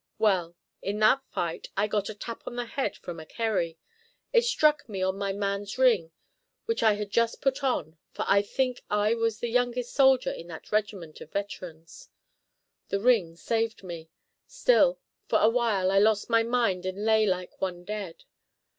Well, in that fight I got a tap on the head from a kerry. It struck me on my man's ring which I had just put on, for I think I was the youngest soldier in that regiment of veterans. The ring saved me; still, for a while I lost my mind and lay like one dead.